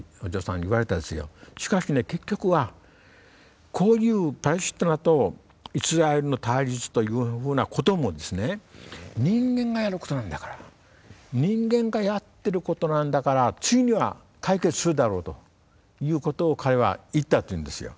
しかしね結局はこういうパレスチナとイスラエルの対立というふうなことも人間がやることなんだから人間がやってることなんだからついには解決するだろうということを彼は言ったっていうんですよ。